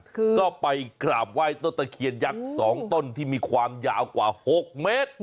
คือก็ไปกราบไหว้ต้นตะเคียนยักษ์๒ต้นที่มีความยาวกว่า๖เมตร